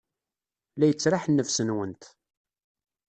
La yettraḥ nnefs-nwent.